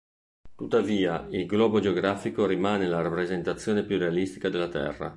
Tuttavia il globo geografico rimane la rappresentazione più realistica della Terra.